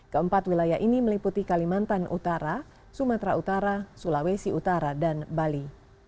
keempat wilayah ini meliputi kalimantan utara sumatera utara sulawesi utara dan bali